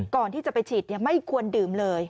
ก่อนที่จะไปฉีดไม่ควรดื่มเลย